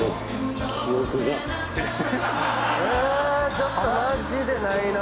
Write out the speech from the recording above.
ちょっとマジでないな。